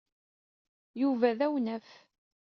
Yuba d awnaf.